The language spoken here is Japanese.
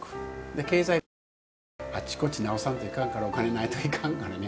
経済力あちこち直さんといかんからお金ないといかんからね。